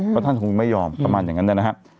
เพราะท่านคงไม่ยอมประมาณอย่างนั้นนะครับ